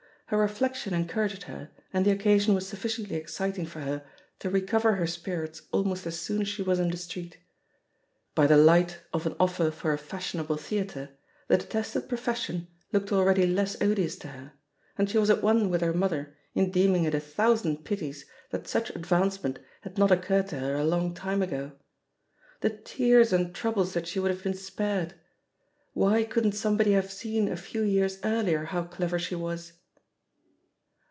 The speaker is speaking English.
Her reflection encour aged her, and the occasion was sufficiently excit ing for her to recover her spirits almost as soon as she was in the street. By the light of an of fer for a fashionable theatre, the detested pro fession looked abeady less odious to her, and she was at one with her mother in deeming it a thou sand pities that such advancement had not oc curred to her a long time ago. The tears and troubles that she would have been spared I Why couldn't somebody have seen a few years earlier how clever she was?